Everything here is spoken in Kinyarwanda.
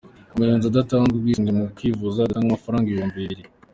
Umunyonzi udatanze ubwisungne mu kwivuza atanga amafaranga ibihumbi bibiri.